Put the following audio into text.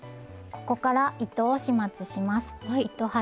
ここから糸を始末します。